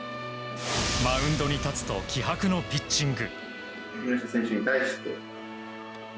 マウンドに立つと気迫のピッチング。